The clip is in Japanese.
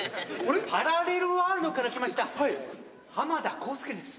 パラレルワールドから来ました浜田こうすけです